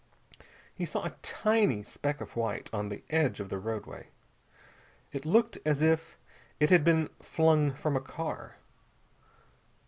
He saw a tiny speck of white on the edge of the roadway. It looked as if it had been flung from a car.